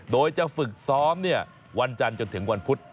โดยจะฝึกซ้อมวันจันทร์จนถึงวันพุธ